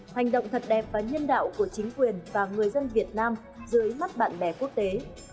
hành động thật đẹp và nhân đạo của chính quyền và người dân việt nam dưới mắt bạn bè quốc tế